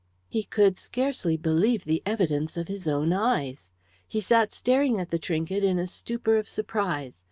He could scarcely believe the evidence of his own eyes. He sat staring at the trinket in a stupor of surprise.